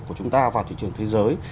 của chúng ta vào thị trường thế giới